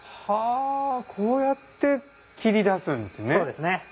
はぁこうやって切り出すんですね。